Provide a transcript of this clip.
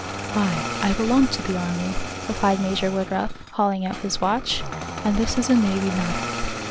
"Why, I belong to the Army," replied Major Woodruff, hauling out his watch, "and this is a Navy matter.